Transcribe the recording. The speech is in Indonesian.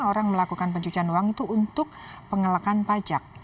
orang melakukan pencucian uang itu untuk pengelakan pajak